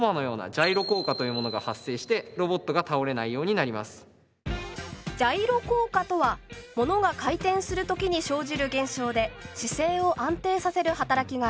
「ジャイロ効果」とは物が回転する時に生じる現象で姿勢を安定させる働きがあります。